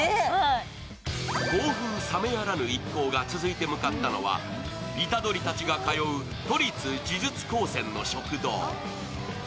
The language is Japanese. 興奮冷めやらぬ一行が続いて向かったのは虎杖たちが通う都立呪術高専の食堂。